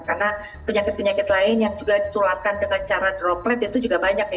karena penyakit penyakit lain yang juga ditularkan dengan cara droplet itu juga banyak ya